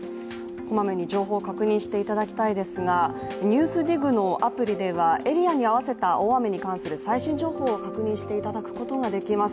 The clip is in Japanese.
こまめに情報を確認していただきたいですが「ＮＥＷＳＤＩＧ」のアプリでは、エリアに合わせた大雨に関する最新情報を確認していただくことができます。